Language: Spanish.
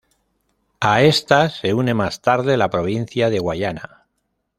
A estas se une más tarde la provincia de Guayana.